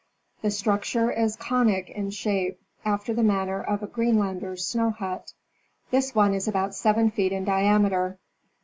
The structure is conic in shape, after the manner of a Greenlander's snow hut. This one is about seven feet in diameter.